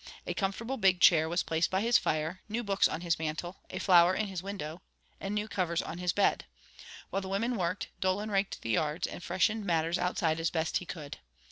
A comfortable big chair was placed by his fire, new books on his mantle, a flower in his window, and new covers on his bed. While the women worked, Dolan raked the yards, and freshened matters outside as best he could.